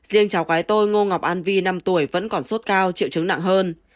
riêng cháu gái tôi ngô ngọc an vi năm tuổi vẫn còn sốt cao triệu chứng nặng hơn